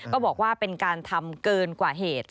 บอกว่าเป็นการทำเกินกว่าเหตุ